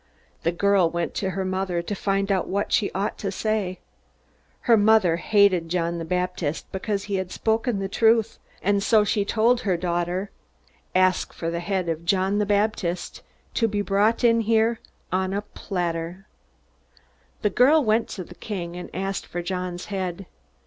The girl went to her mother, to find out what she ought to say. Her mother hated John the Baptist because he had spoken the truth, and so she told her daughter: "Ask for the head of John the Baptist to be brought in here on a platter!" The girl went to the king, and asked for John's head.